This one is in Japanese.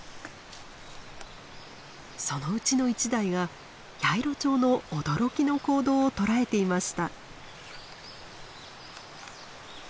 そのうちの１台がヤイロチョウの驚きの行動を捉えていました。